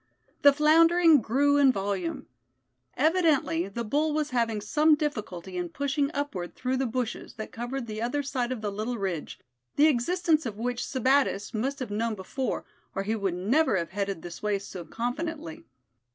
The floundering grew in volume. Evidently the bull was having some difficulty in pushing upward through the bushes that covered the other side of the little ridge, the existence of which Sebattis must have known before, or he would never have headed this way so confidently.